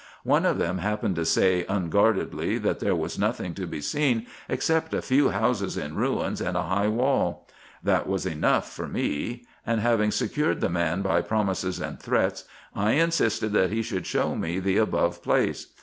One of them happened to say unguardedly that there was nothing to be seen except a few houses in ruins, and a high wall. That was enough for me ; and having secured the man by promises and threats, I insisted that he should show me the above place.